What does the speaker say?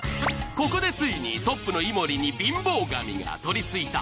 ここでついにトップの井森に貧乏神がとりついた。